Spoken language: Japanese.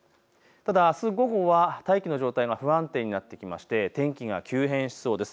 ただあす午後は大気の状態が不安定になってきまして天気が急変しそうです。